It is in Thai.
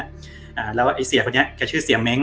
อ่าแล้วไอ้เสียคนนี้แกชื่อเสียเม้ง